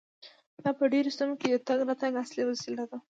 دا په ډیرو سیمو کې د تګ راتګ اصلي وسیله ده